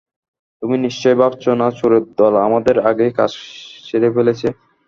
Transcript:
তুমি নিশ্চয়ই ভাবছ না চোরের দল আমাদের আগেই কাজ সেরে ফেলেছে?